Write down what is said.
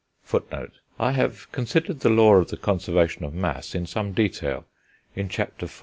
I have considered the law of the conservation of mass in some detail in Chapter IV.